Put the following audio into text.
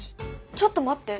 ちょっと待って。